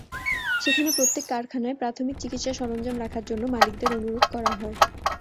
সেখানে প্রত্যেক কারখানায় প্রাথমিক চিকিৎসা সরঞ্জাম রাখার জন্য মালিকদের অনুরোধ করা হয়।